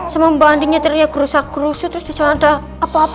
sama mba andin nyetirnya krusa krusu trus dicanda apa apa